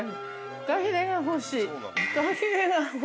フカヒレが欲しい。